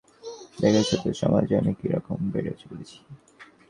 দেখছ তো সমাজে আমি কি রকম বেড়ে চলেছি।